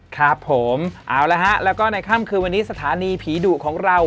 ครับผมเอาละฮะแล้วก็ในค่ำคืนวันนี้สถานีผีดุของเรา